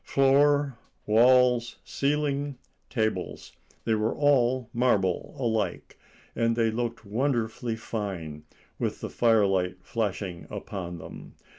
Floor, walls, ceiling, tables—they were all marble alike, and they looked wonderfully fine, with the firelight flashing upon them.